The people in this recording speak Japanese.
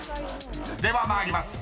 ［では参ります。